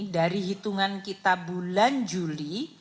dari hitungan kita bulan juli